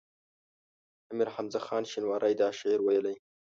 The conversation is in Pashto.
امیر حمزه خان شینواری دا شعر ویلی.